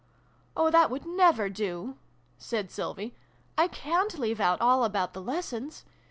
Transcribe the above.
" Oh, that would never do !" said Sylvie. " I ca'n't leave out all about the lessons